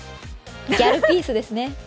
ギャルピースですね。